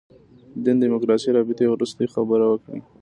دین دیموکراسي رابطې وروستۍ خبره وکړي.